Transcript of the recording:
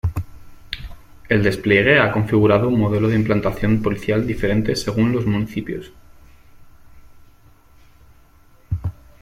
El despliegue ha configurado un modelo de implantación policial diferente según los municipios.